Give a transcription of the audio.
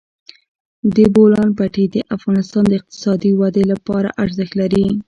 د بولان پټي د افغانستان د اقتصادي ودې لپاره ارزښت لري.